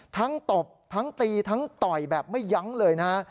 ตบทั้งตีทั้งต่อยแบบไม่ยั้งเลยนะฮะ